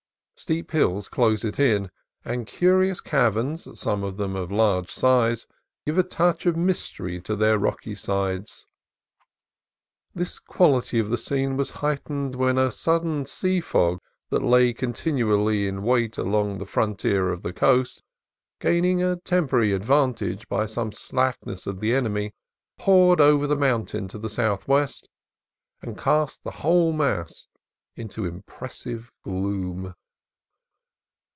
Steep hills close it in, and curious caverns, some of them of large size, give a touch of mystery to their rocky sides. This quality of the scene was height ened when suddenly the sea fog that lay continually in wait along the frontier of the coast, gaining a tem porary advantage by some slackness of the enemy, poured over the mountain to the southwest and cast the whole mass into impressive gloom.